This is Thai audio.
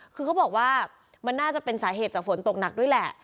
คือเขาบอกว่ามันน่าจะเป็นสาเหตุจากฝนตกหนักด้วยแหละ